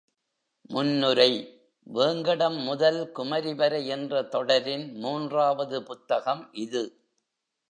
முன்னுரை வேங்கடம் முதல் குமரிவரை என்ற தொடரின் மூன்றாவது புத்தகம் இது.